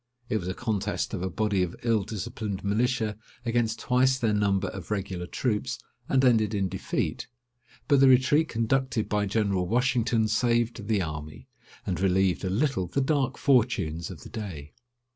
It was a contest of a body of ill disciplined militia against twice their number of regular troops, and ended in defeat; but the retreat conducted by General Washington saved the army, and relieved a little the dark fortunes of the day.